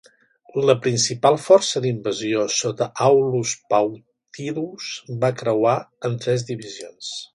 La principal força d'invasió sota Aulus Plautius va creuar en tres divisions.